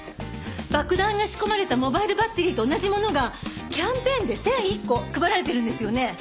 爆弾が仕込まれたモバイルバッテリーと同じものがキャンペーンで１００１個配られてるんですよね？